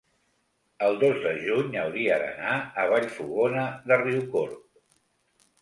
el dos de juny hauria d'anar a Vallfogona de Riucorb.